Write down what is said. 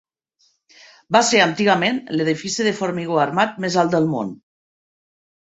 Va ser antigament l'edifici de formigó armat més alt del món.